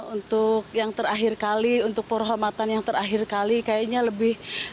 untuk yang terakhir kali untuk perhormatan yang terakhir kali kayaknya lebih